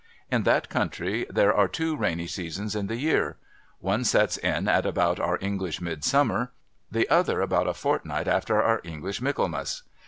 In that country there are two rainy seasons in the year. One sets in at about our English Midsummer ; the other, about a fortnight after our English Michaelmas.